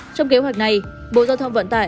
trong kế hoạch này bộ giao thông vận tải